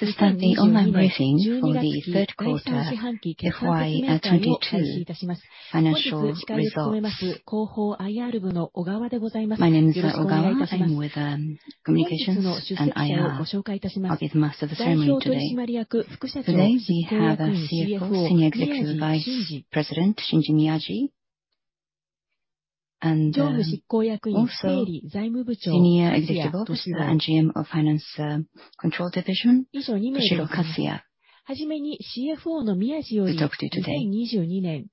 Let us start the online briefing for the third quarter FY 2022 financial results. My name is Ogawa. I'm with Communications and IR. I'll be the master of ceremonies today. Today, we have our CFO, Senior Executive Vice President Shinji Miyaji. Senior Executive Officer and General Manager of Finance & Control Division, Toshiro Kasuya, will talk to you today.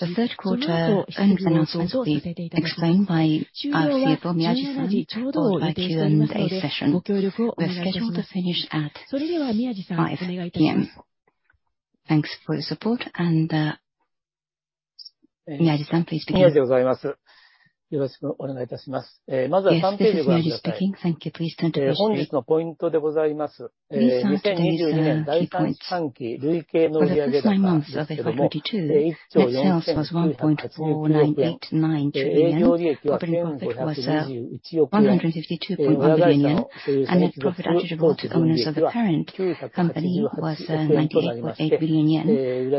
The third quarter earnings announcements will be explained by our CFO, Miyaji, followed by Q&A session. We're scheduled to finish at 5:00 P.M. Thanks for your support and, Miyaji, please begin. Yes, this is Miyaji speaking. Thank you. Please turn to page 3. These are today's key points. For the first nine months of FY 2022, net sales was 1.4989 trillion yen. Operating profit was 152.1 billion yen. Net profit attributable to owners of the parent company was 98.8 billion yen.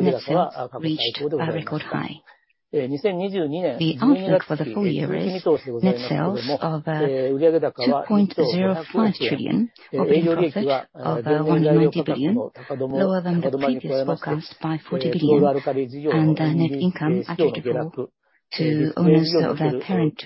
Net sales reached a record high. The outlook for the full year is net sales of 2.05 trillion. Operating profit of 190 billion, lower than the previous forecast by 40 billion. Net income attributable to owners of the parent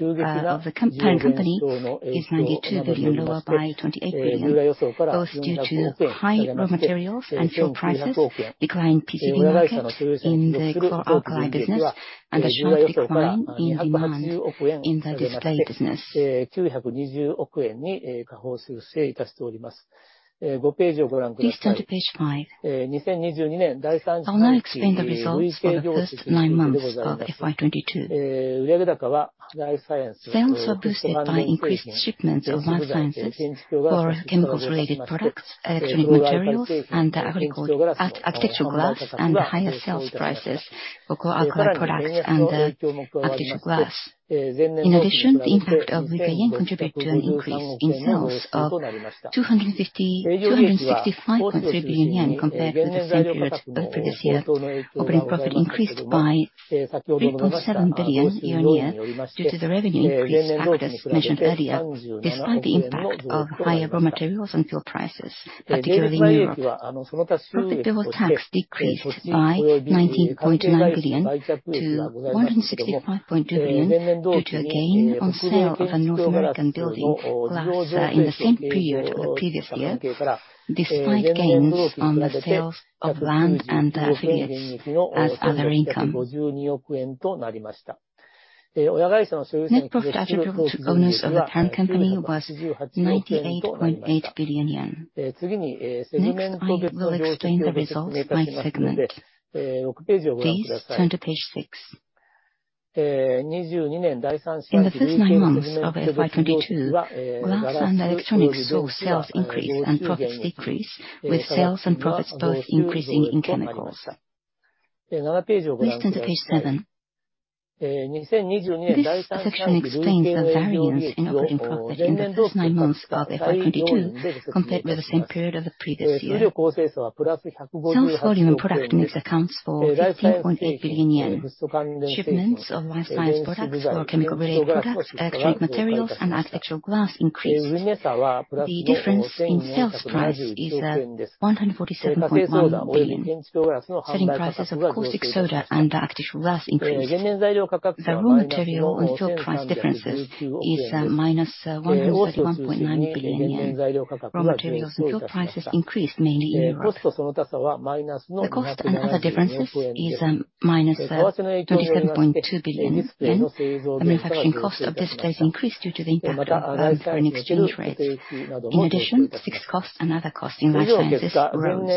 company is 92 billion, lower by 28 billion, both due to high raw materials and fuel prices, declined PVC market in the chlor-alkali business, and a sharp decline in advanced in the display business. Please turn to page five. I'll now explain the results for the first nine months of FY 2022. Sales were boosted by increased shipments of life sciences for chemicals-related products, electronic materials, and architectural glass and higher sales prices for chlor-alkali products and architectural glass. In addition, the impact of weaker yen contributed to an increase in sales of JPY 265.3 billion compared with the same period of previous year. Operating profit increased by 3.7 billion year-on-year due to the revenue increase factors mentioned earlier, despite the impact of higher raw materials and fuel prices, particularly in Europe. Profit before tax decreased by 19.9 billion to 165.2 billion due to a gain on sale of a North [inaudible] American building last in the same period of the previous year, despite gains on the sales of land and affiliates as other income. Net profit attributable to owners of the parent company was 98.8 billion yen. Next, I will explain the results by segment. Please turn to page six. In the first nine months of FY 2022, glass and electronics saw sales increase and profits decrease, with sales and profits both increasing in chemicals. Please turn to page 7. This section explains the variance in operating profit in the first nine months of FY 2022 compared with the same period of the previous year. Sales volume and product mix accounts for 15.8 billion yen. Shipments of life science products for chemical related products, electronic materials, and architectural glass increased. The difference in sales price is 147.1 billion. Selling prices of caustic soda and architectural glass increased. The raw material and fuel price differences is -131.9 billion yen. Raw materials and fuel prices increased mainly in Europe. The cost and other differences is -37.2 billion yen. The manufacturing cost of displays increased due to the impact of foreign exchange rates. In addition, fixed costs and other costs in life sciences rose.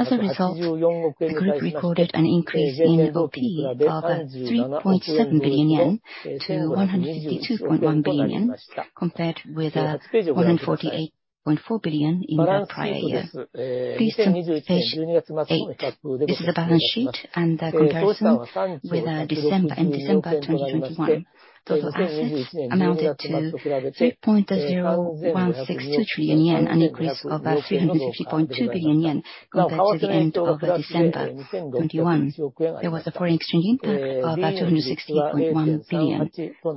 As a result, the group recorded an increase in EBT of 3.7 billion yen to 152.1 billion yen, compared with 148.4 billion in the prior year. Please turn to page 8. This is a balance sheet and a comparison with December 2021. Total assets amounted to 3.0162 trillion yen, an increase of 350.2 billion yen compared to the end of December 2021. There was a foreign exchange impact of about 268.1 billion.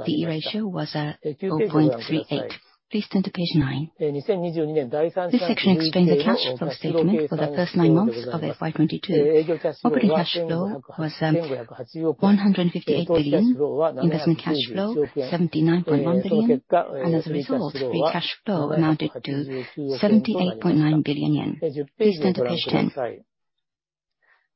The ratio was 0.38. Please turn to page 9. This section explains the cash flow statement for the first nine months of FY 2022. Operating cash flow was 158 billion. Investment cash flow, 79.1 billion. As a result, free cash flow amounted to 78.9 billion yen. Please turn to page 10.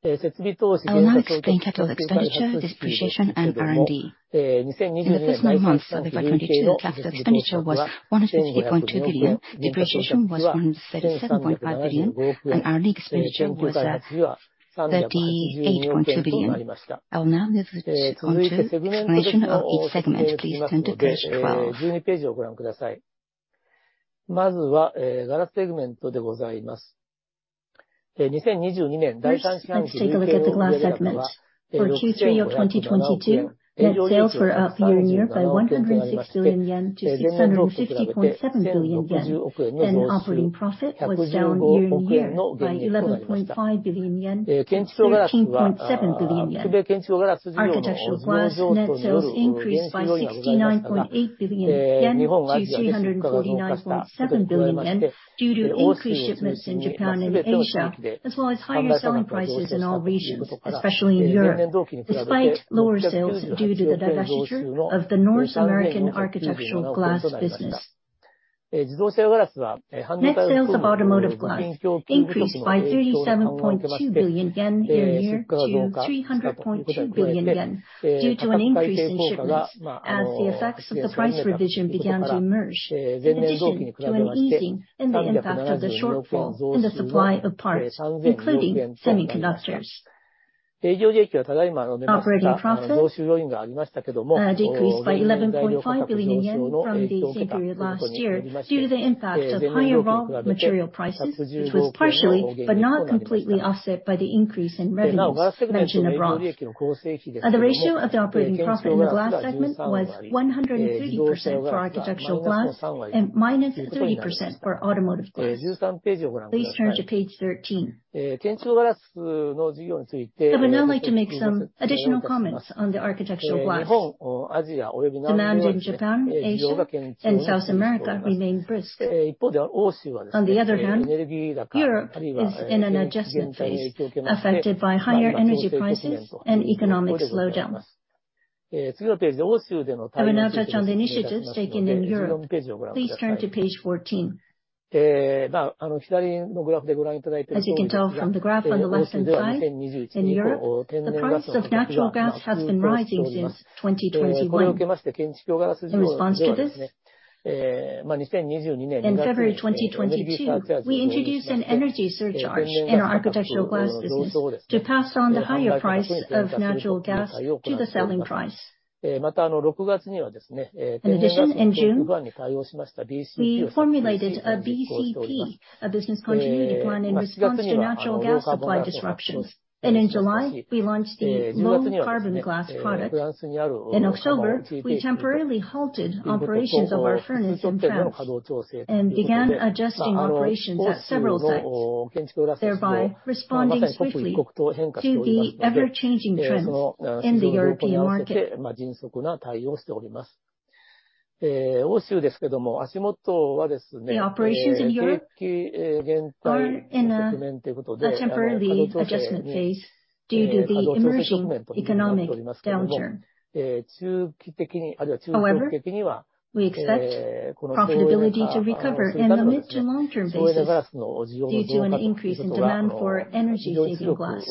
I will now explain capital expenditure, depreciation, and R&D. In the first nine months of FY 2022, capital expenditure was JPY 158.2 billion. Depreciation was JPY 137.5 billion. R&D expenditure was JPY 38.2 billion. I will now move to explanation of each segment. Please turn to page 12. First, let's take a look at the glass segment. For Q3 of 2022, net sales were up year-over-year by JPY 106 billion to JPY 660.7 billion, and operating profit was down year-over-year by JPY 11.5 billion to JPY 13.7 billion. Architectural glass net sales increased by JPY 69.8 billion to JPY 349.7 billion due to increased shipments in Japan and Asia, as well as higher selling prices in all regions, especially in Europe, despite lower sales due to the divestiture of the North American architectural glass business. Net sales of automotive glass increased by 37.2 billion yen year-over-year to 300.2 billion yen due to an increase in shipments as the effects of the price revision began to emerge, in addition to an easing in the impact of the shortfall in the supply of parts, including semiconductors. Operating profit decreased by 11.5 billion yen from the same period last year due to the impact of higher raw material prices, which was partially, but not completely offset by the increase in revenues mentioned above. The ratio of the operating profit in the glass segment was 130% for architectural glass and -30% for automotive glass. Please turn to page 13. I would now like to make some additional comments on the architectural glass. Demand in Japan, Asia, and South America remain brisk. On the other hand, Europe is in an adjustment phase, affected by higher energy prices and economic slowdown. I will now touch on the initiatives taken in Europe. Please turn to page 14. As you can tell from the graph on the left-hand side, in Europe, the price of natural gas has been rising since 2021. In response to this, in February 2022, we introduced an energy surcharge in our architectural glass business to pass on the higher price of natural gas to the selling price. In addition, in June, we formulated a BCP, a business continuity plan, in response to natural gas supply disruptions. In July, we launched the Low-Carbon Glass product. In October, we temporarily halted operations of our furnace in France and began adjusting operations at several sites, thereby responding quickly to the ever-changing trends in the European market. The operations in Europe are in a temporary adjustment phase due to the emerging economic downturn. However, we expect profitability to recover in the mid to long-term basis due to an increase in demand for energy-saving glass.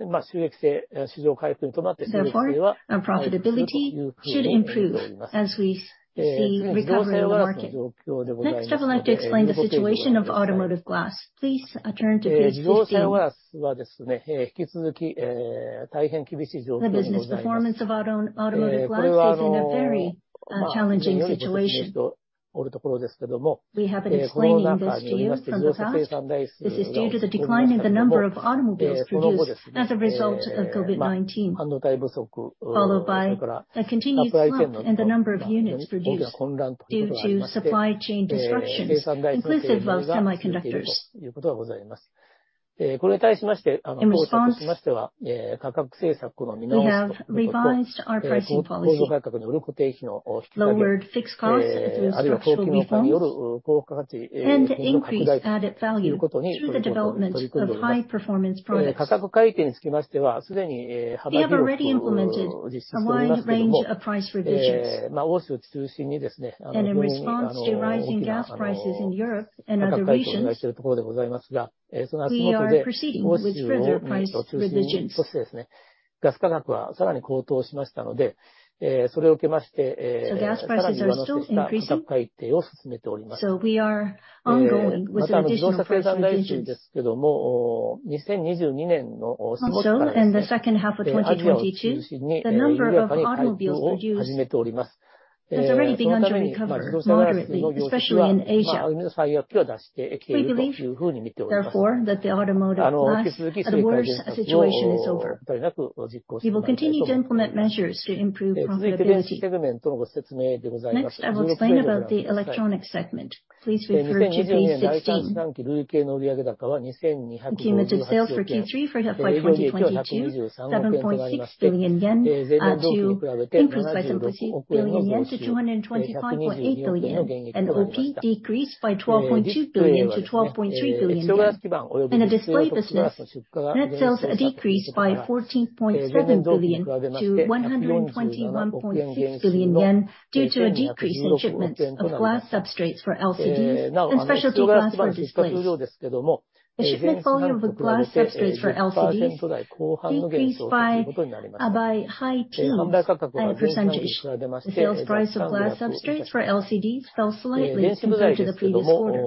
Therefore, our profitability should improve as we see recovery in the market. Next, I would like to explain the situation of automotive glass. Please turn to page 15. The business performance of automotive glass is in a very challenging situation. We have been explaining this to you from the past. This is due to the decline in the number of automobiles produced as a result of COVID-19, followed by a continued slump in the number of units produced due to supply chain disruptions, inclusive of semiconductors. In response, we have revised our pricing policy, lowered fixed costs through structural reforms, and increased added value through the development of high-performance products. We have already implemented a wide range of price revisions. In response to rising gas prices in Europe and other regions, we are proceeding with further price revisions. Gas prices are still increasing, so we are ongoing with additional price revisions. Also, in the second half of 2022, the number of automobiles produced has already begun to recover moderately, especially in Asia. We believe, therefore, that the automotive glass adverse situation is over. We will continue to implement measures to improve profitability. Next, I will explain about the electronics segment. Please refer to page 16. Cumulative sales for Q3 for 2022 increased by 7.6 billion yen to 225.8 billion yen. OP decreased by 12.2 billion to 12.3 billion yen. In the display business, net sales decreased by 14.7 billion to 121.6 billion yen due to a decrease in shipments of glass substrates for LCDs and specialty glass for displays. The shipment volume of glass substrates for LCDs decreased by high teens%. The sales price of glass substrates for LCDs fell slightly compared to the previous quarter.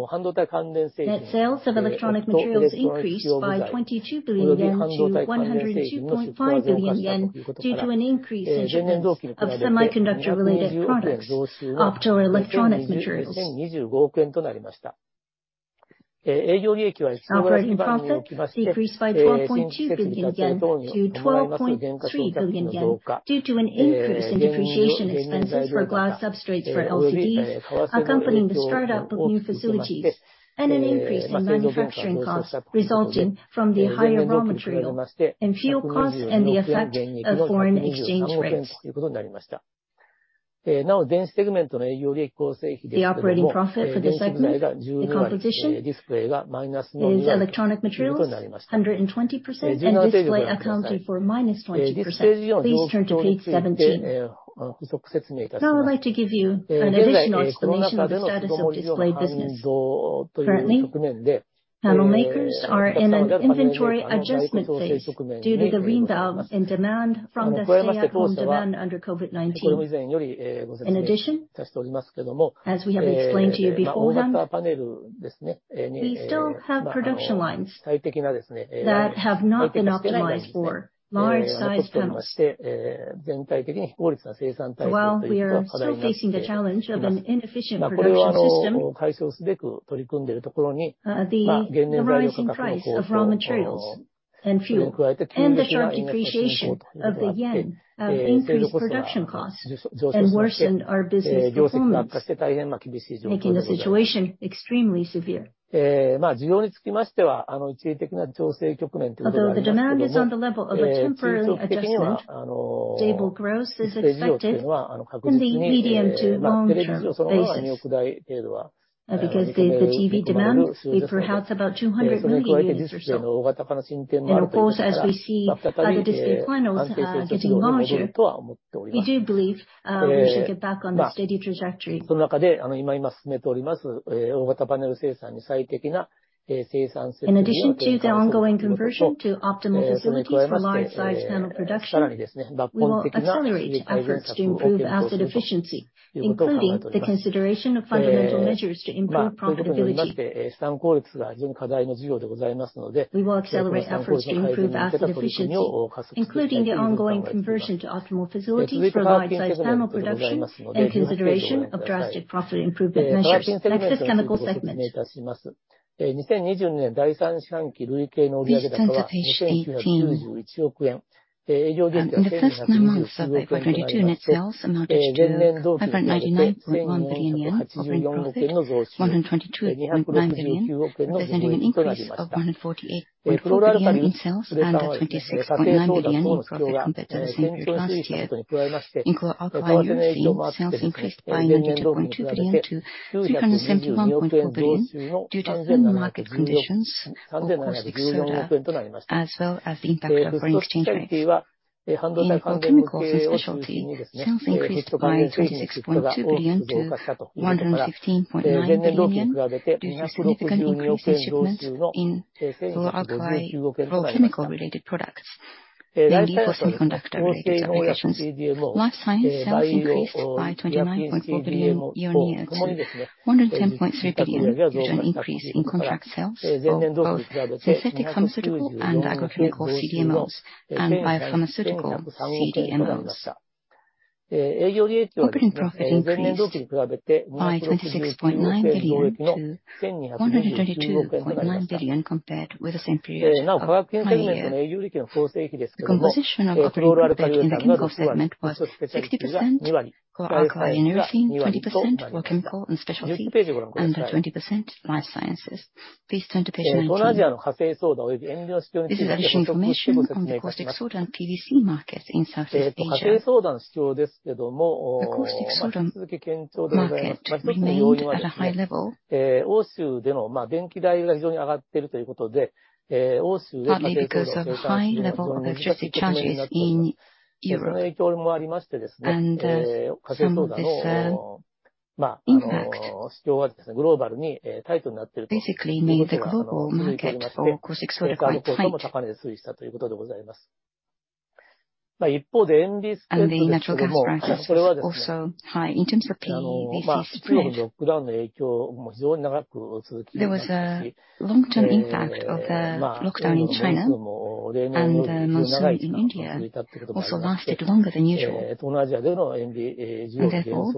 Net sales of electronic materials increased by 22 billion yen to 102.5 billion yen due to an increase in shipments of semiconductor-related products, optoelectronics materials. Operating profit decreased by 12.9 billion yen to 12.3 billion yen due to an increase in depreciation expenses for glass substrates for LCDs accompanying the startup of new facilities and an increase in manufacturing costs resulting from the higher raw material and fuel costs and the effect of foreign exchange rates. The operating profit for this segment, the composition is electronic materials 120%, and display accounted for -20%. Please turn to page 17. Now I'd like to give you an additional explanation on the status of display business. Currently, panel makers are in an inventory adjustment phase due to the rebound in demand from the stay at home demand under COVID-19. In addition, as we have explained to you before, one, we still have production lines that have not been optimized for large size panels. While we are still facing the challenge of an inefficient production system, the rising price of raw materials and fuel and the sharp depreciation of the yen have increased production costs and worsened our business performance, making the situation extremely severe. Although the demand is on the level of a temporary adjustment, stable growth is expected in the medium to long term basis. Because the TV demand, we forecast about 200 million units or so. Of course, as we see other display panels getting larger, we do believe, we should get back on the steady trajectory. We will accelerate efforts to improve asset efficiency, including the ongoing conversion to optimal facilities for large size panel production and consideration of drastic profit improvement measures like the chemical segment. Please turn to page 18. In the first nine months of 2022, net sales amounted to JPY 599.1 billion, operating profit JPY 122.9 billion, representing an increase of JPY 148.4 billion in sales and a JPY 26.9 billion profit compared to the same period last year. In chlor-alkali and ethylene, sales increased by 92.2 billion to 371.4 billion due to favorable market conditions for caustic soda as well as the impact of foreign exchange rates. In chemical and specialty, sales increased by 26.2 billion to 115.9 billion due to significant increase in shipments in chlor-alkali for chemical-related products, then deposited conductor-related applications. Life science sales increased by 29.4 billion year-on-year to 110.3 billion due to an increase in contract sales for both synthetic pharmaceutical and agrochemical CDMOs and biopharmaceutical CDMOs. Operating profit increased by 26.9 billion to 132.9 billion compared with the same period of prior year. The composition of operating profit in the chemical segment was 60% chlor-alkali and ethylene, 20% were chemical and specialty, and 20% life sciences. Please turn to page 19. This is additional information on the caustic soda and PVC market in Southeast Asia. The caustic soda market remained at a high level, partly because of high-level electricity charges in Europe. From this impact, basically mean the global market for caustic soda was quite tight. The natural gas prices also high. In terms of PVC stream, there was a long term impact of the lockdown in China and the monsoon in India also lasted longer than usual. Therefore,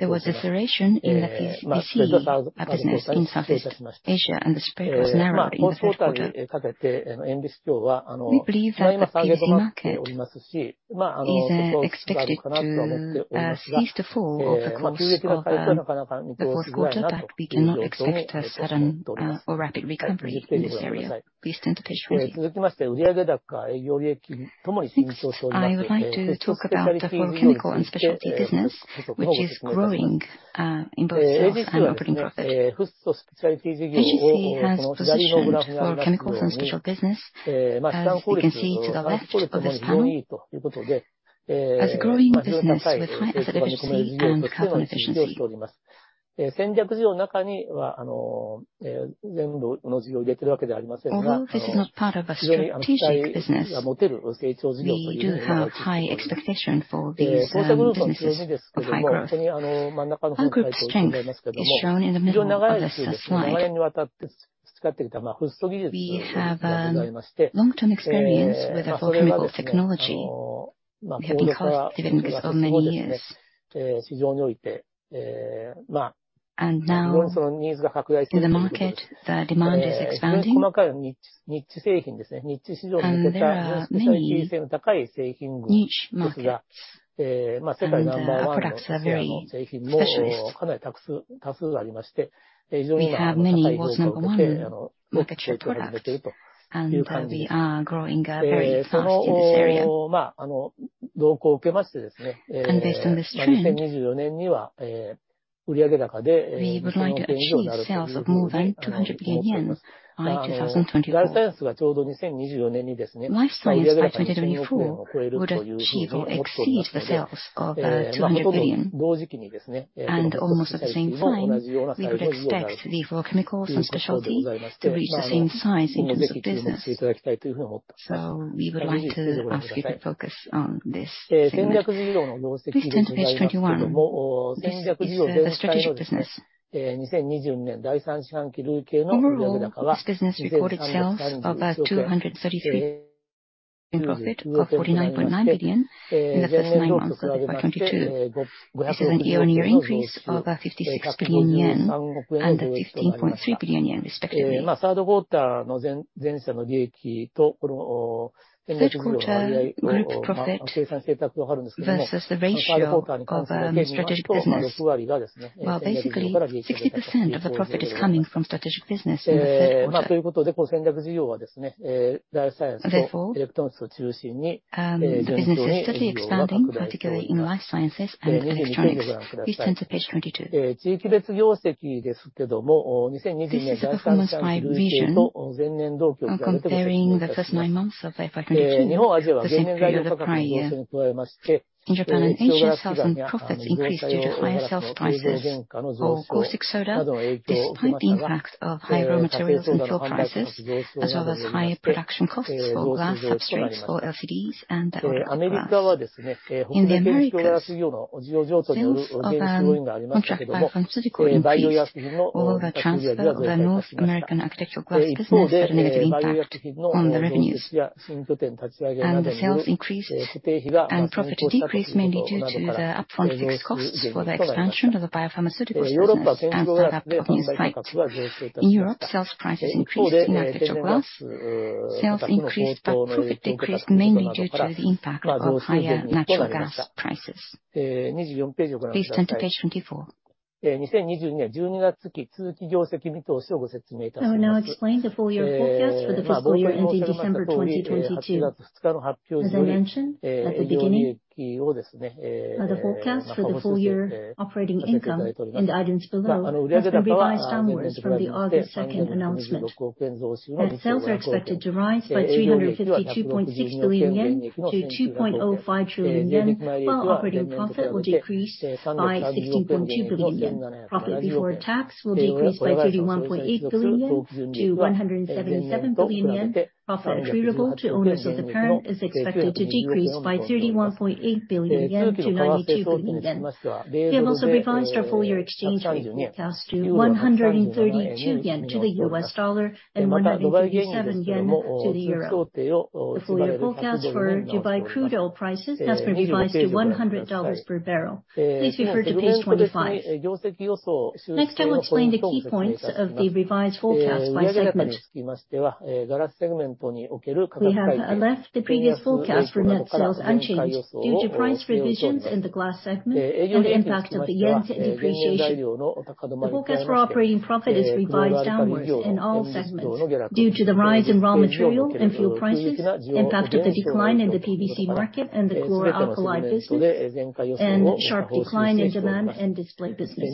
there was a disruption in the PVC business in Southeast Asia and the spread was narrowed in the third quarter. We believe that the PVC market is expected to cease to fall over the course of the fourth quarter, but we do not expect a sudden or rapid recovery in this area. Please turn to page 20. Next, I would like to talk about the fluorochemical and specialty business, which is growing in both sales and operating profit. AGC has positioned fluorochemicals and specialty business, as you can see to the left of this panel, as a growing business with high productivity and capital efficiency. Although this is not part of our strategic business, we do have high expectation for these businesses for high growth. Our group strength is shown in the middle of this slide. We have a long term experience with a fluorochemical technology. We have been cost-saving this for many years. Now in the market, the demand is expanding. There are many niche markets. Our products are very specialized. We have many world's number one market share products. We are growing very fast in this area. Based on this trend, we would like to achieve sales of more than 200 billion yen by 2024. Life science by 2024 would achieve or exceed the sales of 200 billion. Almost at the same time, we would expect the fluorochemicals and specialty to reach the same size in terms of business. We would like to ask you to focus on this segment. Please turn to page 21. This is the strategic business. Overall, this business recorded sales of 233 billion, profit of 49.9 billion in the first nine months of FY 2022. This is a year-on-year increase of 56 billion yen and 15.3 billion yen, respectively. Third quarter group profit versus the ratio of strategic business. Well, basically, 60% of the profit is coming from strategic business in the third quarter. Therefore, the business is steadily expanding, particularly in life sciences and electronics. Please turn to page 22. This is the performance by region. I'm comparing the first 9 months of FY 2022 to the same period of the prior year. In Japan and Asia, sales and profits increased due to higher sales prices for caustic soda despite the impacts of higher raw materials and fuel prices, as well as higher production costs for glass substrates for LCDs and architectural glass. In the Americas, sales of contract biopharmaceutical increased, although a transfer of the North American architectural glass business had a negative impact on the revenues. Sales increased and profit decreased mainly due to the upfront fixed costs for the expansion of the biopharmaceutical business at our lab in Tokyo Seibu. [inaudible] In Europe, sales prices increased in architectural glass. Sales increased but profit decreased mainly due to the impact of higher natural gas prices. Please turn to page 24. I will now explain the full year forecast for the first full year ending December 2022. As I mentioned at the beginning, the forecast for the full year operating income and the items below has been revised downwards from the August 2 announcement. Net sales are expected to rise by 352.6 billion yen to 2.05 trillion yen, while operating profit will decrease by 16.2 billion yen. Profit before tax will decrease by 31.8 billion yen to 177 billion yen. Profit attributable to owners of the parent is expected to decrease by 31.8 billion yen to 92 billion yen. We have also revised our full year exchange rate forecast to 132 yen to the U.S. dollar and 137 yen to the euro. The full year forecast for Dubai crude oil prices has been revised to $100 per barrel. Please refer to page 25. Next, I will explain the key points of the revised forecast by segment. We have left the previous forecast for net sales unchanged due to price revisions in the glass segment and the impact of the yen's depreciation. The forecast for operating profit is revised downwards in all segments due to the rise in raw material and fuel prices, impact of the decline in the PVC market and the chlor-alkali business, and sharp decline in demand in display business.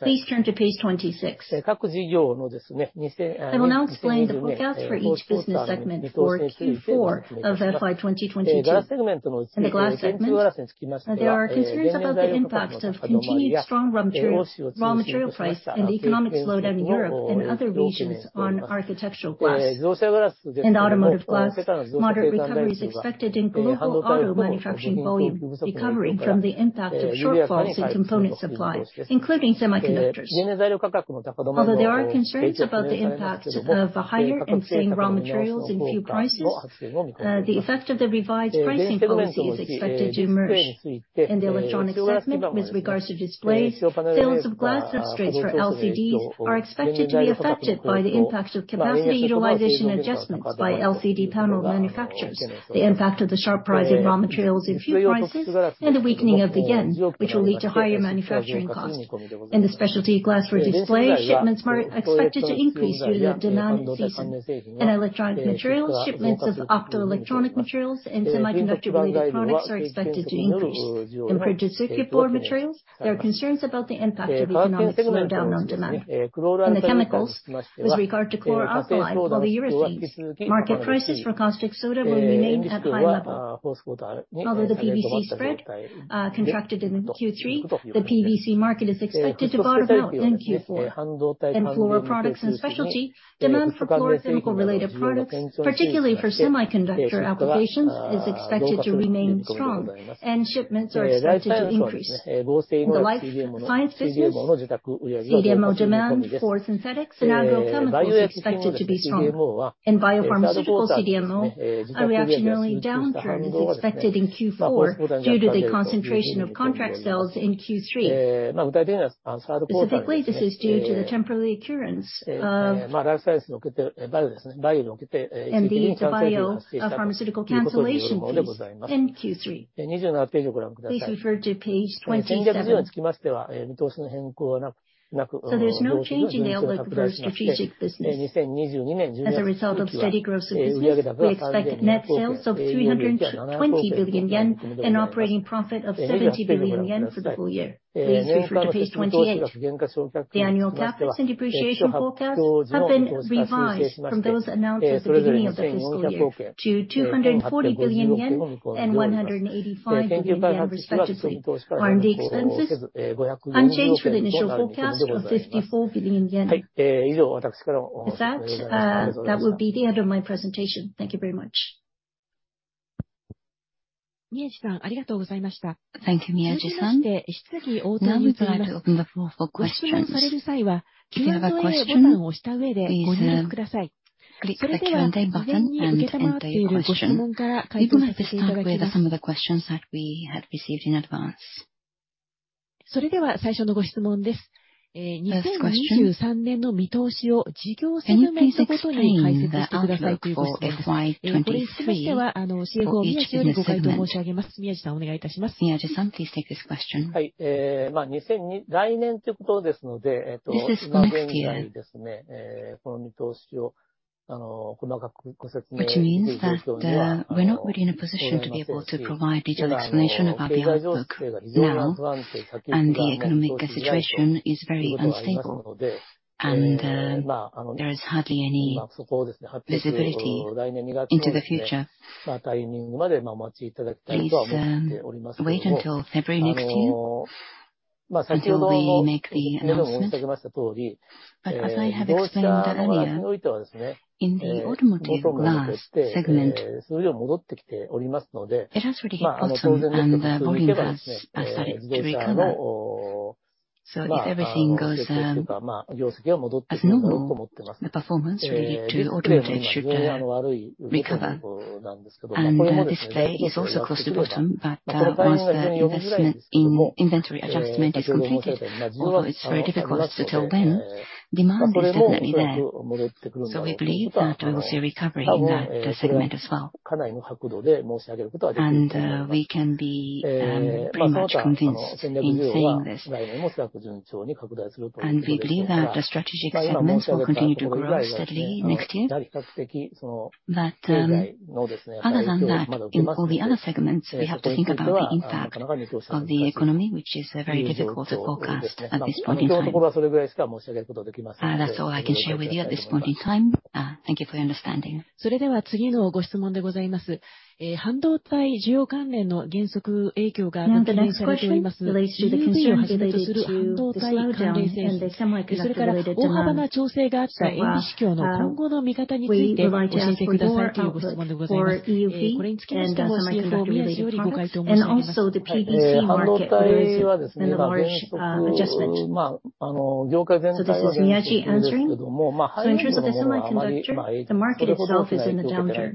Please turn to page 26. I will now explain the forecast for each business segment for Q4 of FY 2022. In the glass segment, there are concerns about the impacts of continued strong raw material prices, and the economic slowdown in Europe and other regions on architectural glass. In automotive glass, moderate recovery is expected in global auto manufacturing volume, recovering from the impact of shortfalls in component supply, including semiconductors. Although there are concerns about the impacts of higher and rising raw materials and fuel prices, the effect of the revised pricing policy is expected to emerge. In the electronic segment, with regards to displays, sales of glass substrates for LCDs are expected to be affected by the impact of capacity utilization adjustments by LCD panel manufacturers, the impact of the sharp rise in raw materials and fuel prices, and the weakening of the yen, which will lead to higher manufacturing cost. In the specialty glass for display, shipments are expected to increase due to the demanding season. In electronic materials, shipments of optoelectronics materials and semiconductor-related products are expected to increase. In the flat glass materials, there are concerns about the impact of economic slowdown on demand. In the chemicals, with regard to chlor-alkali for the year ahead, market prices for caustic soda will remain at high level. Although the PVC spread contracted in Q3, the PVC market is expected to bottom out in Q4. In fluoroproducts and specialty, demand for fluorochemical-related products, particularly for semiconductor applications, is expected to remain strong and shipments are expected to increase. In the life science business, CDMO demand for synthetics and agrochemicals is expected to be strong. In biopharmaceutical CDMO, a reactionary downturn is expected in Q4 due to the concentration of contract sales in Q3. Specifically, this is due to the temporary occurrence of NBC, the biopharmaceutical cancellation fees in Q3. Please refer to page 27. There's no change in the outlook for strategic business. As a result of steady growth of business, we expect net sales of 320 billion yen and operating profit of 70 billion yen for the full year. Please refer to page 28. The annual capital expenditure forecast have been revised from those announced at the beginning of the fiscal year to JPY 240 billion and JPY 185 billion, respectively. R&D expenses unchanged from the initial forecast of JPY 54 billion. With that will be the end of my presentation. Thank you very much. Thank you, Miyaji-san. Now we would like to open the floor for questions. If you have a question, please, click the Q&A button and enter your question. We would like to start with some of the questions that we had received in advance. First question. Can you please explain the outlook for FY 2023 for each of your segments? Can you please explain the outlook for FY 2023 for each of your segments? Miyaji-san, please take this question. This is next year. Which means that, we're not really in a position to be able to provide detailed explanation about the outlook now, and the economic situation is very unstable, and there is hardly any visibility into the future. Please wait until February next year until we make the announcement. As I have explained earlier, in the automotive glass segment, it has really hit bottom, and the volume has started to recover. If everything goes as normal, the performance related to automotive should recover. Display is also close to bottom, but once the investment in inventory adjustment is completed, although it's very difficult to tell when, demand is definitely there. We believe that we will see recovery in that segment as well. We can be pretty much convinced in saying this. We believe that the strategic segments will continue to grow steadily next year. Other than that, in all the other segments, we have to think about the impact of the economy, which is very difficult to forecast at this point in time. That's all I can share with you at this point in time. Thank you for your understanding. Now the next question relates to the concerns related to the slowdown and the semiconductor related demand. We would like to ask for your outlook for EUV and also semiconductor related products and also the PVC market where there has been a large adjustment. This is Miyaji answering. In terms of the semiconductor, the market itself is in a downturn.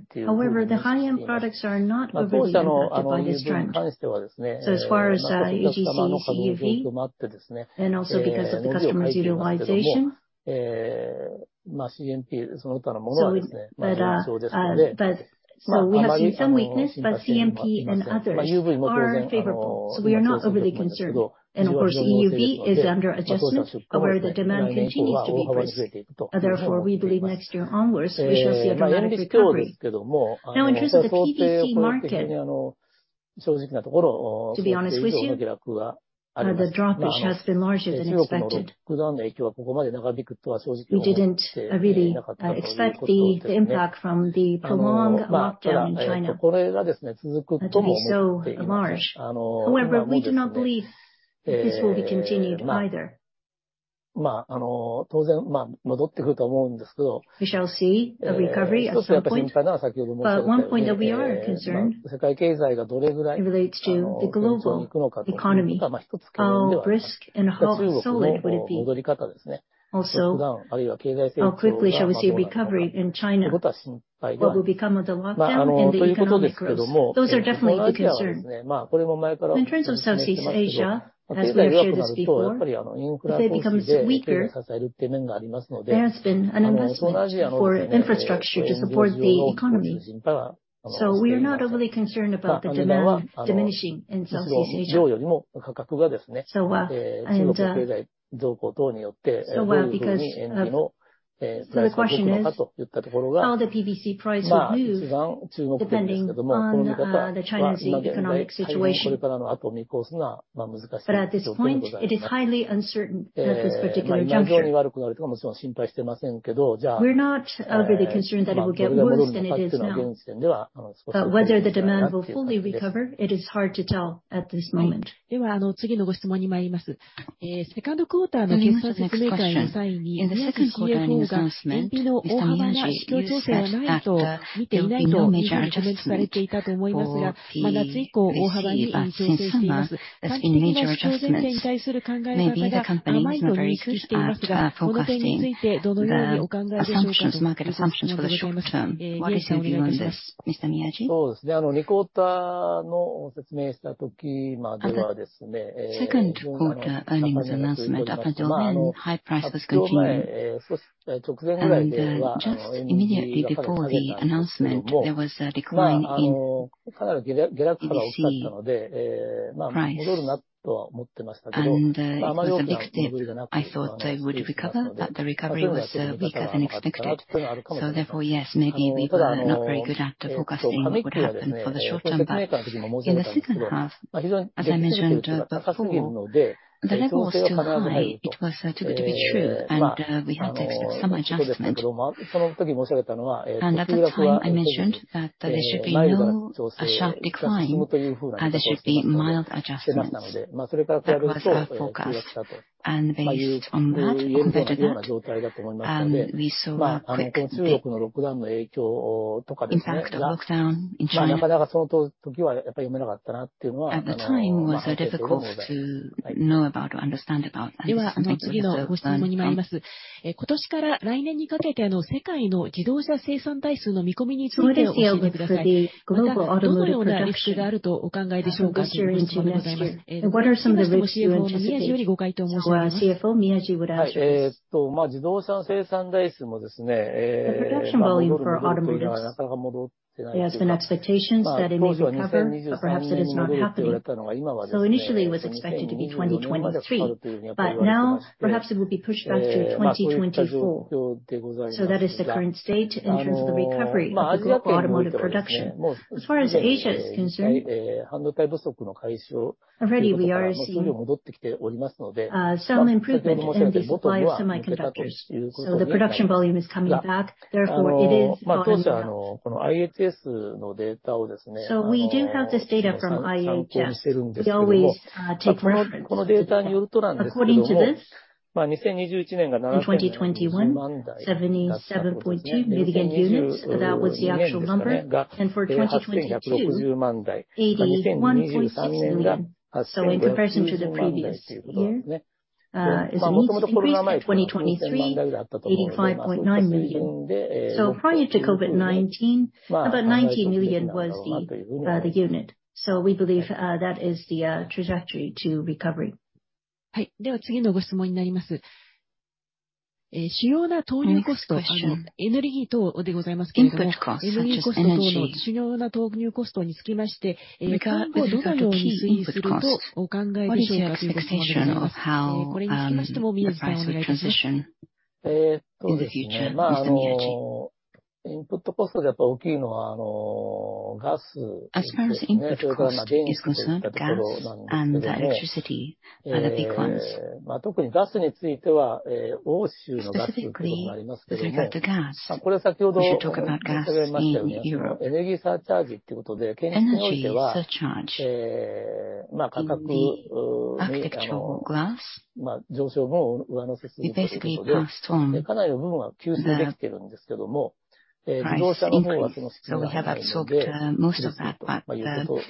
The high-end products are not overly impacted by this trend. As far as AGC, EUV, and also because of the customers' utilization, we have seen some weakness, but CMP and others are favorable, so we are not overly concerned. Of course, EUV is under adjustment, but while the demand continues to increase. Therefore, we believe next year onwards we shall see a dramatic recovery. Now in terms of the PVC market, to be honest with you, the drop which has been larger than expected. We didn't really expect the impact from the prolonged lockdown in China to be so large. We do not believe this will be continued either. We shall see a recovery at some point. One point that we are concerned relates to the global economy. How brisk and how solid would it be? Also, how quickly shall we see a recovery in China? What will become of the lockdown and the economic growth? Those are definitely the concerns. In terms of Southeast Asia, as we have shared this before, if it becomes weaker, there has been an investment for infrastructure to support the economy. We are not overly concerned about the demand diminishing in Southeast Asia. The question is, how the PVC price will move depending on the Chinese economic situation. At this point, it is highly uncertain at this particular juncture. We're not overly concerned that it will get worse than it is now. Whether the demand will fully recover, it is hard to tell at this moment. Moving on to the next question. In the second quarter earnings announcement, Mr. Miyaji, you said that there will be no major adjustment for the PVC. Since summer, there's been major adjustments. Maybe the company is not very good at forecasting the assumptions, market assumptions for the short term. What is your view on this, Mr. Miyaji? Second quarter earnings announcement up until then, high price was continuing. Just immediately before the announcement, there was a decline in PVC price. It was expected. I thought it would recover, but the recovery was weaker than expected. Therefore, yes, maybe we were not very good at forecasting what happened for the short term. In the second half, as I mentioned before, the level was still high. It was too good to be true, and we had to expect some adjustment. At the time, I mentioned that there should be no sharp decline, and there should be mild adjustments. That was our forecast. Based on that, we covered it up. We saw a quick dip. In fact, the lockdown in China at the time was difficult to know about or understand about. Things have settled down. This year with the global automotive production from this year into next year, what are some of the risks you anticipate? Our CFO, Miyaji, would answer this. The production volume for automotive, there has been expectations that it may recover, but perhaps it is not happening. Initially it was expected to be 2023, but now perhaps it will be pushed back to 2024. That is the current state in terms of the recovery of the global automotive production. As far as Asia is concerned, already we are seeing some improvement in the supply of semiconductors. The production volume is coming back, therefore it is bouncing back. We do have this data from IHS. We always take reference to this data. According to this, in 2021, 77.2 million units. That was the actual number. For 2022, 81.3 million. In comparison to the previous year, as we increased in 2023, 85.9 million. Prior to COVID-19, about 90 million was the unit. We believe that is the trajectory to recovery. Next question. Input costs such as energy. Regarding the key input costs, what is your expectation of how the price would transition in the future, Mr. Miyaji? As far as input cost is concerned, gas and electricity are the big ones. Specifically with regard to gas, we should talk about gas in Europe. Energy surcharge in the architectural glass, we basically passed on the price increase, so we have absorbed most of that.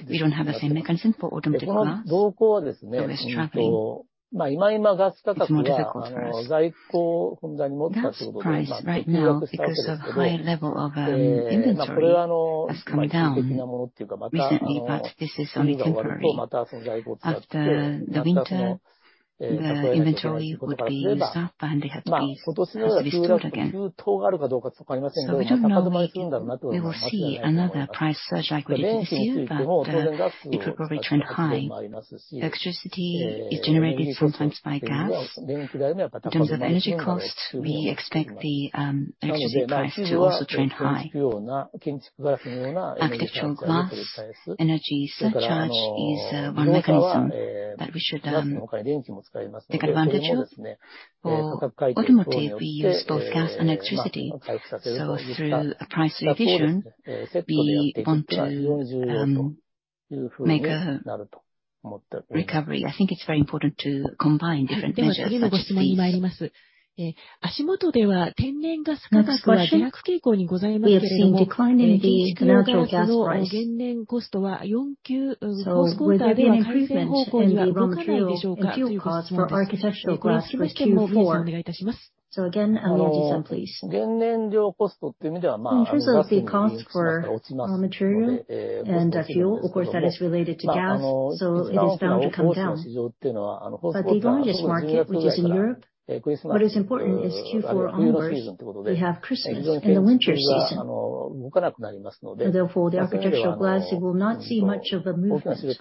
We don't have the same mechanism for automotive glass. It's troubling. It's more difficult for us. Gas price right now, because of high level of inventory has come down recently, but this is only temporary. After the winter, the inventory would be lower and they have to be refilled again. We don't know if we will see another price surge like we did this year, but it will probably trend high. Electricity is generated sometimes by gas. In terms of energy costs, we expect the electricity price to also trend high. Architectural glass energy surcharge is one mechanism that we should take advantage of. For automotive, we use both gas and electricity, so through a price revision, we want to make a recovery. I think it's very important to combine different measures such as these. Next question. We have seen a decline in the natural gas price. Will there be an improvement in the raw material and fuel costs for architectural glass for Q4? Again, Miyaji-san, please. In terms of the cost for raw material and fuel, of course that is related to gas, so it is bound to come down. The largest market, which is in Europe. What is important is Q4 numbers. We have Christmas and the winter season. Therefore, the architectural glass, you will not see much of a movement.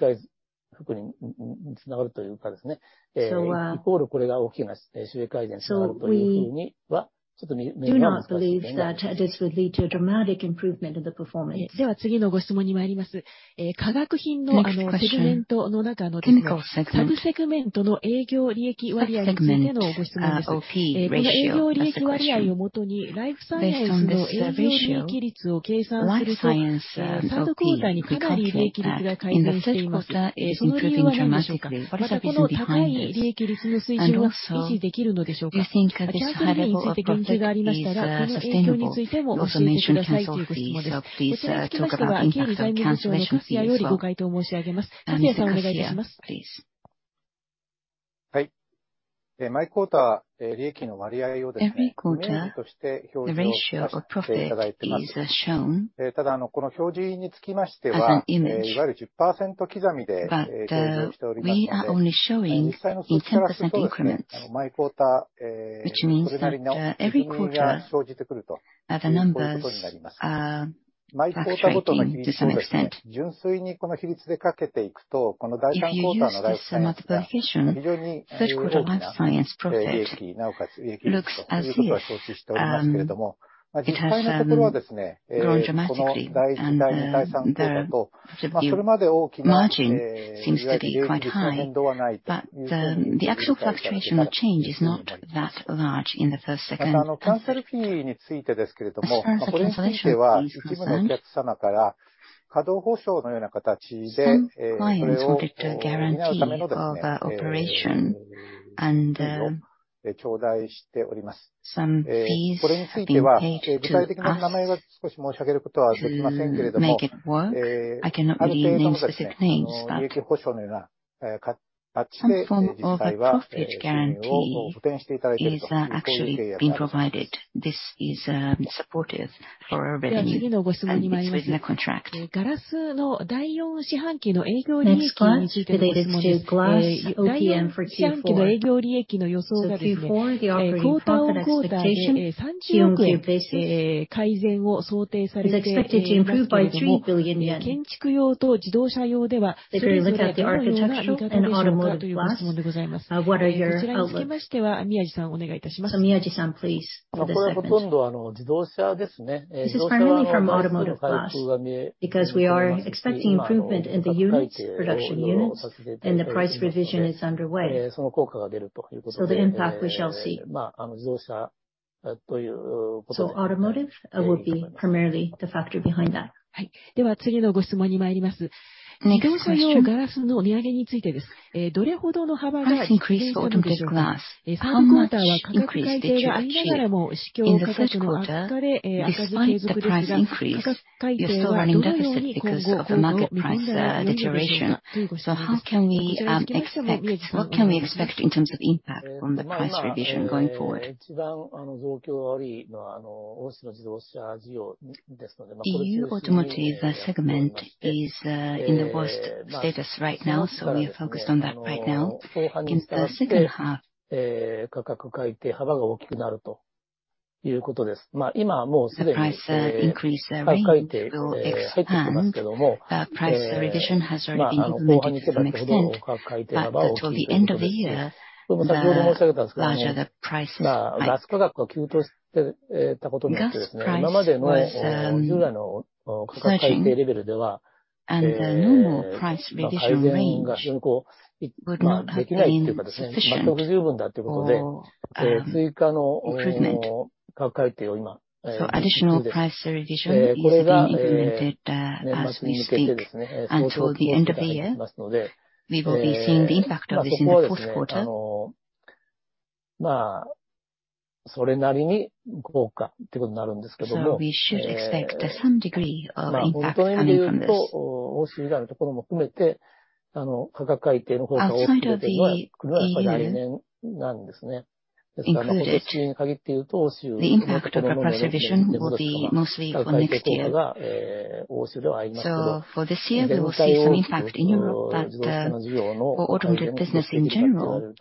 We do not believe that this would lead to a dramatic improvement in the performance. Next question. Chemical segment, sub-segment, OP ratio. That's the question. Based on this ratio, life science OP, we calculate that in the third quarter it's improving dramatically. What is actually behind this? And also, do you think this high level of profit is sustainable? You also mentioned cancellation fees, so please talk about the impact of cancellation fees as well. Mr. Kasuya, please. Every quarter, the ratio of profit is shown as an image. We are only showing in 10% increments, which means that every quarter the numbers are fluctuating to some extent. If you use this multiplication, third quarter life science profit looks as if it has grown dramatically and the margin seems to be quite high. The actual fluctuation or change is not that large in the first, second and third. As far as the cancellation fees is concerned, some clients wanted a guarantee of operation and some fees have been paid to us to make it work. I cannot really name specific names, but some form of a profit guarantee is actually being provided. This is supportive for our revenue, and it's within the contract. Next question related to glass OPM for Q4. Q4, the operating profit expectation year-on-year basis is expected to improve by 3 billion yen. If you look at the architectural and automotive glass, what are your outlooks? Miyaji-san, please, for this segment. This is primarily from automotive glass because we are expecting improvement in the units production volumes and the price revision is underway. The impact we shall see. Automotive will be primarily the factor behind that. Price increase for automobile glass. How much increase did you achieve? In the third quarter, despite the price increase, you're still running deficit because of the market price deterioration. What can we expect in terms of impact from the price revision going forward? The EU automotive segment is in the worst status right now, so we are focused on that right now. The price increase range will expand. Price revision has already been implemented to some extent, but until the end of the year, the larger the price hike. Glass price was surging, and the normal price revision range would not have been sufficient for improvement. Additional price revision is being implemented as we speak until the end of the year. We will be seeing the impact of this in the fourth quarter. We should expect some degree of impact coming from this. Outside of the EU, in France, the impact of our price revision will be mostly for next year. For this year, we will see some impact in Europe, but for automotive business in general,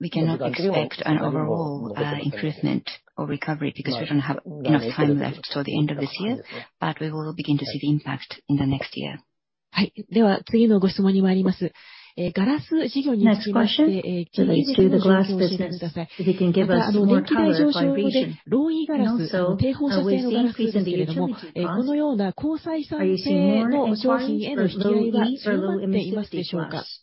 we cannot expect an overall improvement or recovery because we don't have enough time left till the end of this year. We will begin to see the impact in the next year. Next question relates to the glass business. If you can give us more color on region and also how we are seeing seasonality in terms. Are you seeing more inquiries for low-E or low emissivity glass?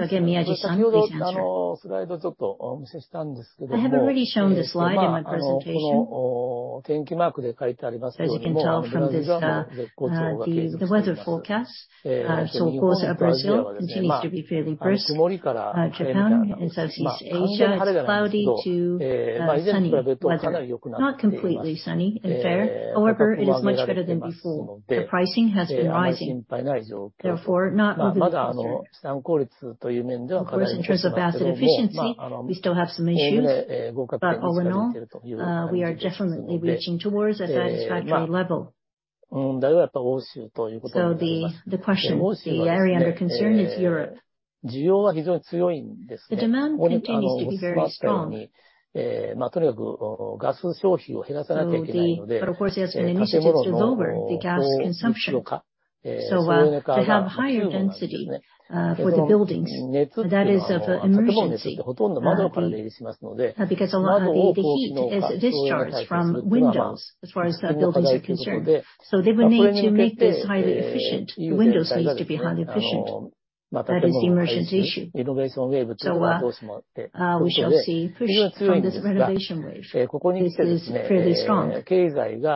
Again, Miyaji-san, please answer. I have already shown the slide in my presentation. As you can tell from this, the weather forecast, so Brazil continues to be fairly brisk. Japan and Southeast Asia, it's cloudy to sunny weather. Not completely sunny and fair. However, it is much better than before. The pricing has been rising. Therefore, not moving too fast here. Of course, in terms of asset efficiency, we still have some issues. All in all, we are definitely reaching towards a satisfactory level. The question, the area under concern is Europe. The demand continues to be very strong. Of course, yes, we need to reduce our gas consumption. To have higher density for the buildings, that is an emergency. Because a lot of the heat is discharged from windows as far as buildings are concerned. They will need to make this highly efficient. The windows needs to be highly efficient. That is the emergency issue. We shall see a push from this renovation wave. This is fairly strong.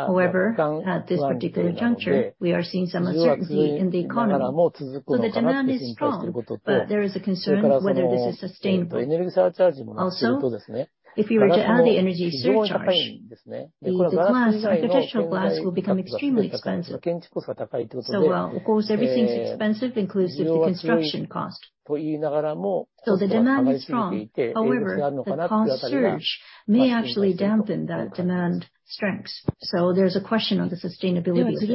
However, at this particular juncture, we are seeing some uncertainty in the economy. The demand is strong, but there is a concern whether this is sustainable. Also, if you were to add an energy surcharge, the potential glass will become extremely expensive. Of course everything's expensive, inclusive of the construction cost. The demand is strong, however, the cost surge may actually dampen that demand strength. There's a question on the sustainability of this.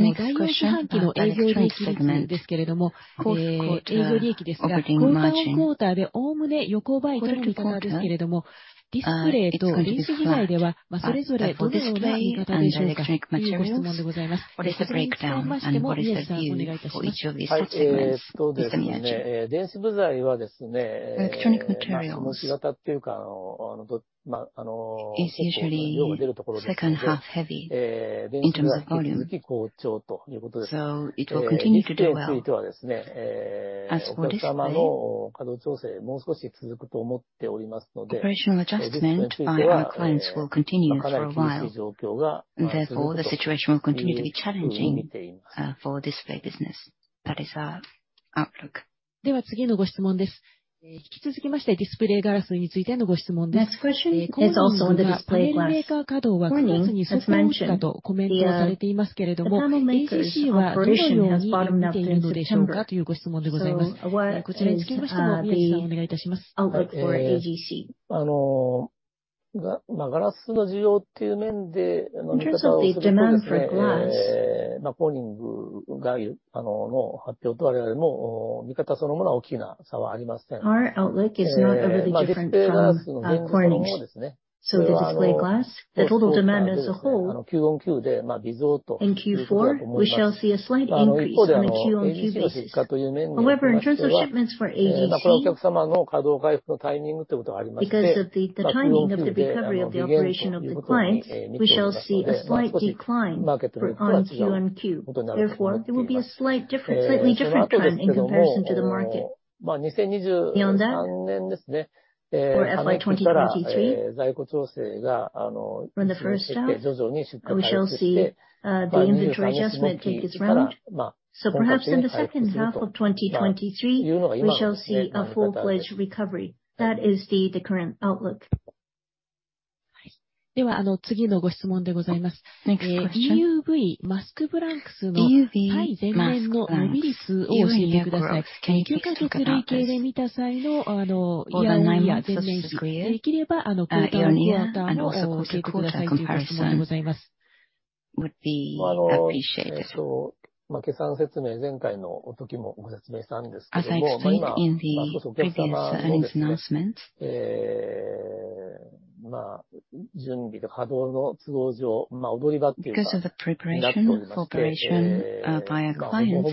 Next question, display segment fourth quarter operating margin. Fourth quarter, it's going to be flat. For display and electronic materials, what is the breakdown and what is the view for each of these sub-segments? Mr. Miyaji. Electronic materials is usually second half heavy in terms of volume, so it will continue to do well. As for display... Operational adjustment by our clients will continue for a while, and therefore the situation will continue to be challenging for display business. That is our outlook. Next question is also on display glass. Corning has mentioned the panel makers' operation has bottomed out in September. What is the outlook for AGC? In terms of the demand for glass, our outlook is not overly different from Corning. Display glass, the total demand as a whole, in Q4 we shall see a slight increase on a Q-on-Q basis. However, in terms of shipments for AGC, because of the timing of the recovery of the operation of the clients, we shall see a slight decline for Q-on-Q. Therefore, there will be a slight difference, slightly different trend in comparison to the market. Beyond that, for FY 2023, when the first half, we shall see the inventory adjustment take its round. Perhaps in the second half of 2023 we shall see a full-fledged recovery. That is the current outlook. Next question. EUV mask blanks year-over-year growth can you speak about this? Over nine months, so to clarify, year-over-year, and also quarter-over-quarter comparison would be appreciated. As I explained in the previous earnings announcement. Because of the preparation by a client,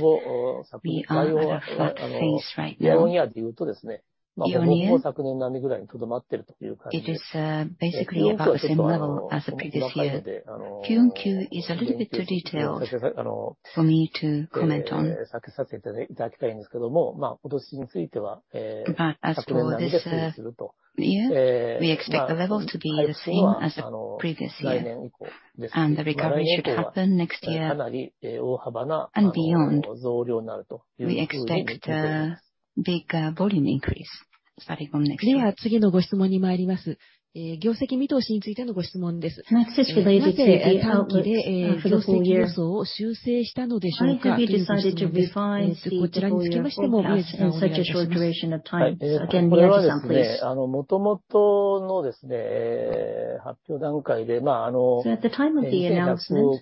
we are at a flat phase right now. Year-over-year. It is basically about the same level as the previous year. Q and Q is a little bit too detailed for me to comment on. As for this year, we expect the levels to be the same as the previous year and the recovery should happen next year and beyond. We expect a big volume increase starting from next year. Next is related to the outlook for the full year. Why have you decided to revise the full year forecast in such a short duration of time? Again, Miyaji-san, please. At the time of the announcement,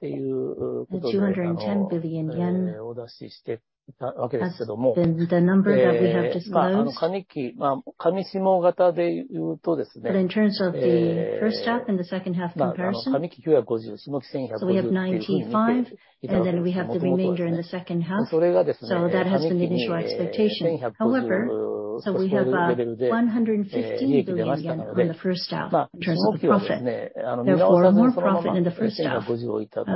210 billion yen. That's the number that we have disclosed. In terms of the first half and the second half comparison. We have 95 billion, and then we have the remainder in the second half. That has been the initial expectation. However, we have 115 billion yen on the first half in terms of profit, therefore more profit in the first half.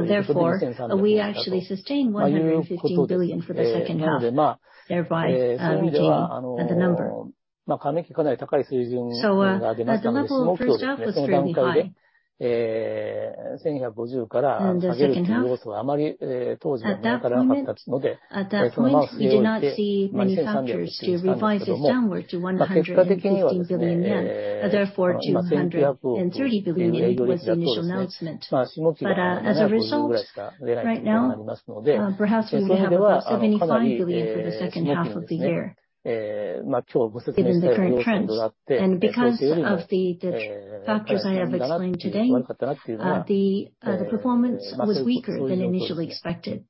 Therefore, we actually sustained 115 billion for the second half, thereby reaching the number. At the level the first half was fairly high. In the second half. At that point, we do not see many factors to revise this downward to JPY 115 billion. Therefore, JPY 230 billion was the initial announcement. As a result, right now, perhaps we will have about 75 billion for the second half of the year given the current trends. Because of the factors I have explained today, the performance was weaker than initially expected.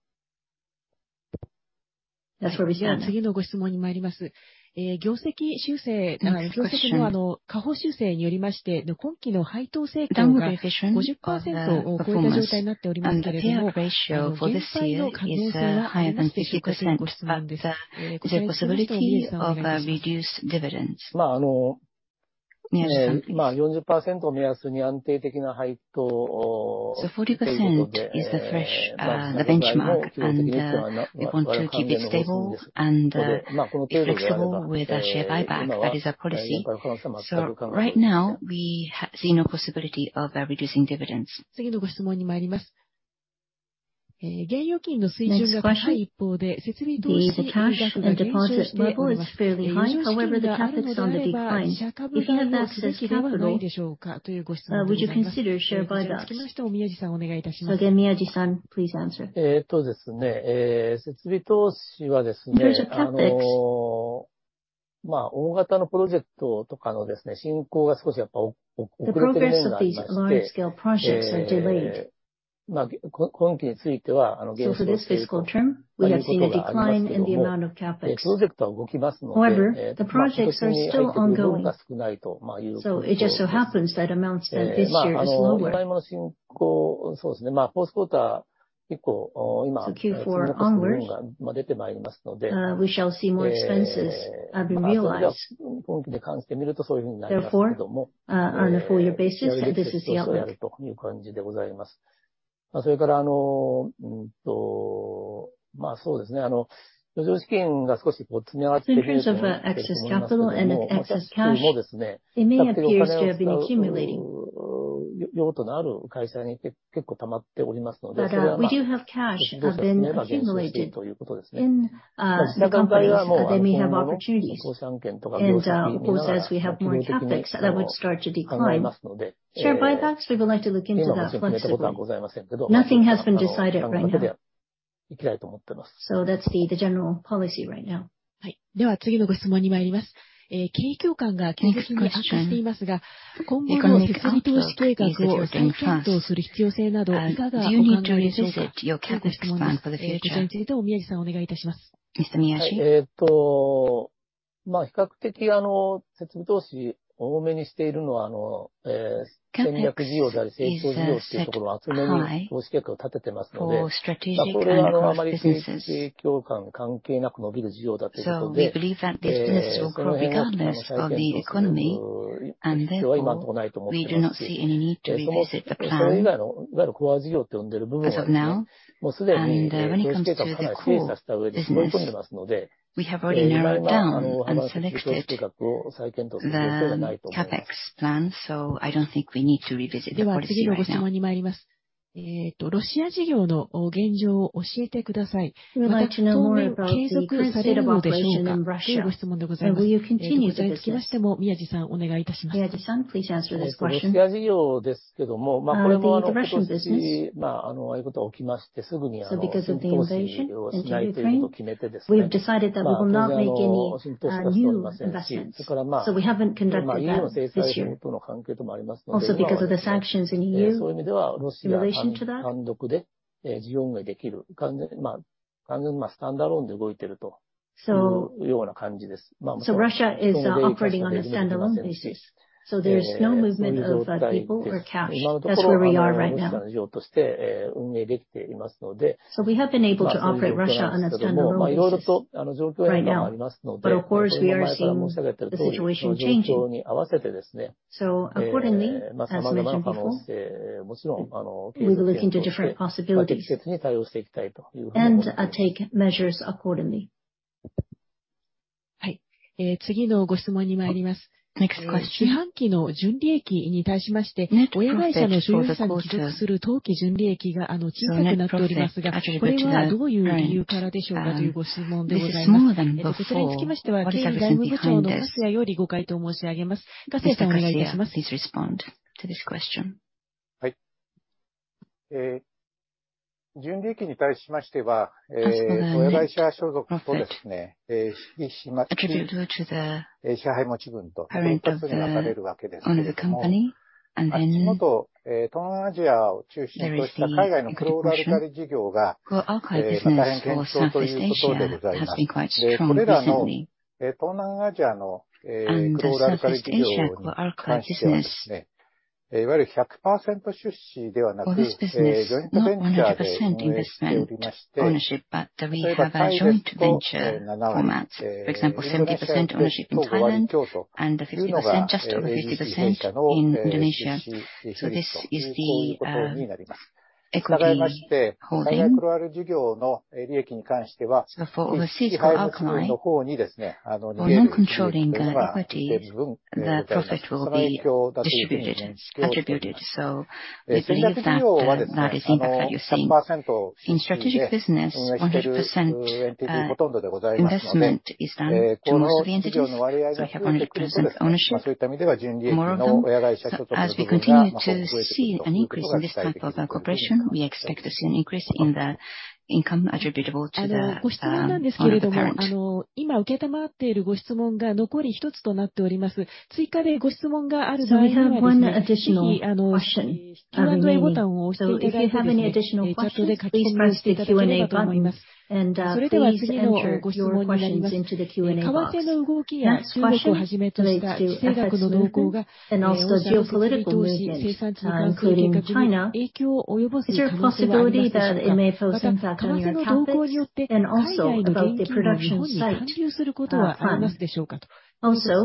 That's where we stand. Next question. Downward revision. The performance and the payout ratio for this year is higher than 60%. The possibility of a reduced dividend. Miyaji-san, please. The 40% is the threshold, the benchmark. We want to keep it stable and be flexible with our share buyback. That is our policy. Right now we see no possibility of reducing dividends. Next question. The cash and deposit level is fairly high. However, the CapEx is on the decline. If you have excess liquidity, would you consider share buybacks? Again, Miyaji-san, please answer. There is a CapEx. The progress of these large scale projects are delayed. For this fiscal term, we have seen a decline in the amount of CapEx. However, the projects are still ongoing, so it just so happens that amounts spent this year is lower. Q4 onwards, we shall see more expenses have been realized. Therefore, on a full year basis, this is the outlook. In terms of excess capital and excess cash, it may appear to have been accumulating. We do have cash has been accumulated in the companies that may have opportunities. Also as we have more CapEx that would start to decline. Share buybacks, we would like to look into that flexibly. Nothing has been decided right now. That's the general policy right now. Next question. Economic outlook is showing signs. Do you intend to adjust your CapEx plans for this fiscal year? Mr. Miyaji. CapEx is set high for strategic and across businesses. We believe that business will grow regardless of the economy. Therefore,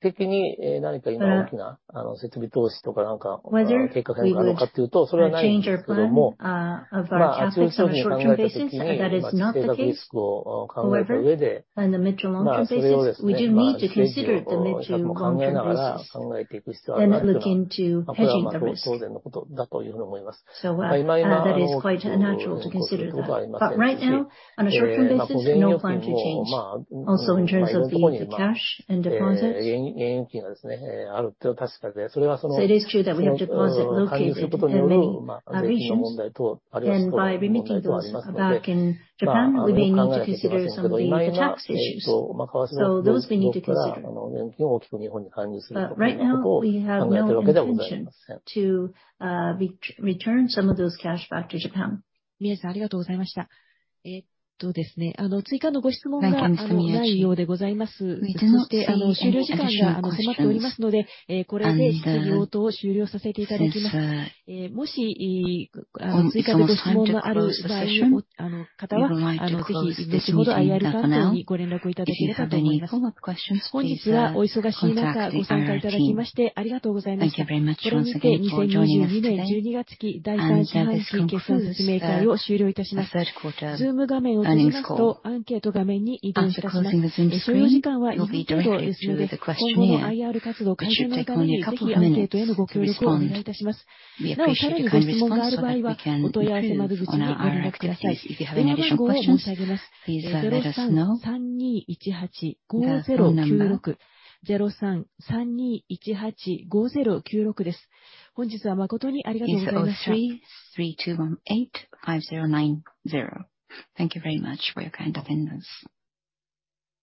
we do not see any need to revisit the plan as of now. When it comes to the core business, we have already narrowed down and selected the CapEx plan. I don't think we need to revisit the policy right now. Next question. ロシア事業の現状を教えてください。また当面継続されるのでしょうか？というご質問でございます。これにつきましても、ミヤジさんお願いいたします。このロシア事業ですけども、今年、ああいうことが起きまして、すぐに新投資をしないということを決めてですね、当然、新投資はしていませんし、それからEUの制裁などとの関係ともありますので、今はそういう意味ではロシア単独で、事業運営できる、完全に、スタンドアローンで動いてるような感じです。もちろん人も出入りは一切できませんし、そういう状態です。今のところは、ロシアの事業として、運営できていますので、そういう状況なんですけども、いろいろと、状況変化もありますので、これも前から申し上げているとおり、その状況に合わせてですね、様々な可能性、もちろん、ケースケースとして、ケースケースに対応していきたいというふうに思っております。はい。次のご質問にまいります。四半期の純利益に対しまして、親会社の収支に帰属する当期純利益が、小さくなっておりますが、これはどういう理由からでしょうか？というご質問でございます。これにつきましては、経営財務部長のKasuya よりご回答申し上げます。Kasuyaさん、お願いいたします。純利益に対しましては、親会社所属とですね、引き締まして、支配持ち分と二つに分かれるわけですけれども、あちこち、東南アジアを中心とした海外のクロールアルカリ事業が、また減速ということでございます。それらの、東南アジアの、クロールアルカリ事業に関してはですね、いわゆる100%出資ではなく、ジョイントベンチャーで運営しておりまして、それが例えばタイで7割、インドネシアで5割強と、というのがAGC会社の、出資比率と、そういうことになります。したがいまして、海外クロールアルカリ事業の、利益に関しては、利益配分の方にですね、逃げるという、部分みたいな、それが影響を出しているという状況となります。戦略事業はですね、100%、出資で、運営している、ほとんどでございますので、各事業の割合が大きくなる、そういう意味では純利益、親会社所属の純利益が、増えているということが起きております。ご質問なんですけれども、今承っているご質問が残り一つとなっております。追加でご質問がある場合はですね、ぜひ、Q&AボタンをおしていただいてですねI、チャットで書き込んでいただければと思います。それでは次のご質問にまいります。為替の動きや中国をはじめとした地政学の動向が、大阪ガスへの投資、生産活動に関して計画に影響を及ぼす可能性がありますでしょうか。また、為替の動向によって海外の利益を日本に還流することはありますでしょうか？というご質問でございます。宮地さん、お願いいたします。地政学リスクというか、結構皆さんご存知の通りのことが起きているわけですから、リスクヘッジを含めて、もちろん考えないといけないという状況です。短期的に、何か今大きな、設備投資とか何か、計画変化があるかっていうと、それはないですけども、中長期的に考えたときに、今、地政学リスクを考えた上で、それをですね、ステージを、各々考えながら考えていく必要があるというのは、これは、当然のことだというふうに思います。大々な、動き等、起こることはありませんし、現金預金も、日本国内に、現預金がですね、あるというのは確かで、それはその、還流することによる、税金の問題等、あるいは為替の問題等がありますので、そこも考えてはいますけど、大々な、為替の動きなどから、現金大きく日本に還流することみたいなことを考えているわけではございません。ミヤジさん、ありがとうございました。追加のご質問がないようでございます。そして、終了時間が迫っておりますので、これで質疑応答を終了させていただきます。もし追加でご質問がある場合は、ぜひ今一度IR担当にご連絡をいただければと思います。本日はお忙しい中、ご参加いただきましてありがとうございました。これにて2022年12月期第3四半期決算説明会を終了いたします。Zoom画面を閉じますと、アンケート画面に移動いたします。所要時間は5分ほどですので、今後のIR活動改善のために、ぜひアンケートへのご協力をお願いいたします。なお、さらにご質問がある場合は、お問い合わせ窓口にご連絡ください。電話番号を申し上げます。03-3218-5096。03-3218-5096です。本日は誠にありがとうございました。It's 033-218-5090. Thank you very much for your kind attendance.